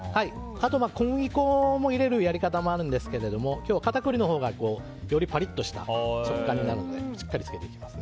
あと小麦粉を入れるやり方もあるんですけど片栗のほうがよりパリッとした食感になるのでしっかりつけていきます。